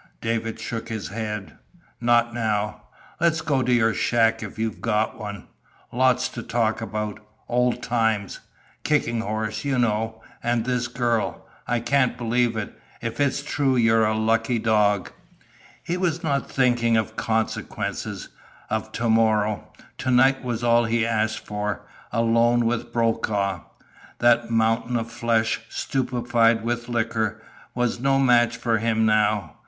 David shook his head. "Not now. Let's go to your shack if you've got one. Lots to talk about old times Kicking Horse, you know. And this girl? I can't believe it! If it's true, you're a lucky dog." He was not thinking of consequences of to morrow. To night was all he asked for alone with Brokaw. That mountain of flesh, stupefied with liquor, was no match for him now.